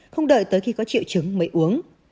không đợi tới khi có triệu chứng mới uống